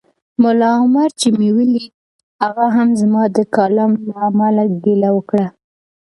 ملا عمر چي مې ولید هغه هم زما د کالم له امله ګیله وکړه